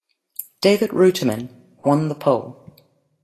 David Reutimann won the pole.